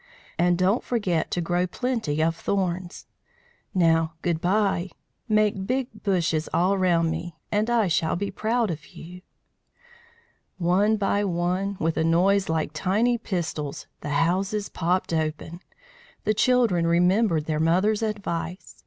And don't forget to grow plenty of thorns. Now good bye. Make big bushes all round me, and I shall be proud of you." One by one, with a noise like tiny pistols, the houses popped open. The children remembered their mother's advice.